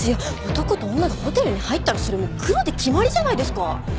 男と女がホテルに入ったらそれもう黒で決まりじゃないですか。